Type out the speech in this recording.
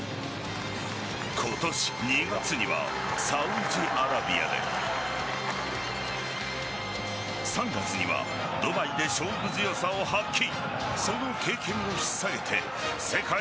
今年２月にはサウジアラビアで３月にはドバイで勝負強さを発揮。